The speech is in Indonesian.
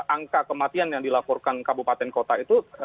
angka kematian yang dilaporkan kabupaten kota itu